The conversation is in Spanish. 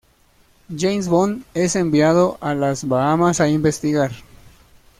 James Bond es enviado a las Bahamas a investigar.